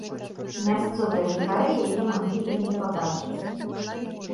Мясцовыя жыхары яе маглі і не пабачыць.